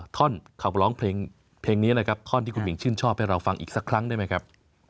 ท่อนคำร้องเพลงเพลงนี้เลยครับท่อนที่คุณหญิงชื่นชอบให้เราฟังอีกสักครั้งได้ไหมครับ